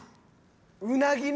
うなぎね。